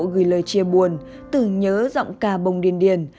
gửi lời chia buồn tưởng nhớ giọng ca bồng điền điền